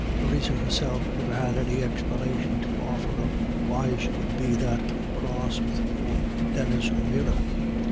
Theresa herself never had any explanation to offer of "why she would be that cross wid poor Denis O'Meara."